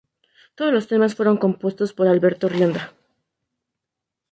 Todos los temas fueron compuestos por Alberto Rionda.